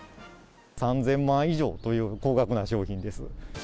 ３０００万以上という高額な商品です。